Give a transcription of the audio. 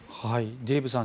デーブさん